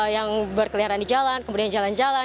yang berkeliaran di jalan kemudian jalan jalan